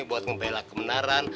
buat membela kebenaran